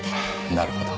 なるほど。